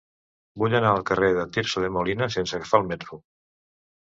Vull anar al carrer de Tirso de Molina sense agafar el metro.